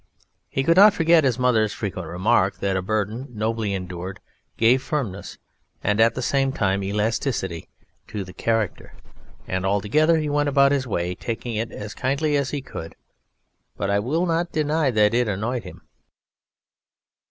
He could not forget his mother's frequent remark that a Burden nobly endured gave firmness, and at the same time elasticity, to the character, and altogether he went about his way taking it as kindly as he could; but I will not deny that it annoyed him.